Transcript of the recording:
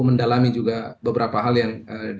mendalami juga beberapa hal yang